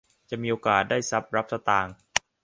จะมีโอกาสได้ทรัพย์รับสตางค์